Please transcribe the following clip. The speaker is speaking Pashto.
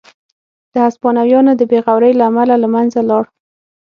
د هسپانویانو د بې غورۍ له امله له منځه لاړ.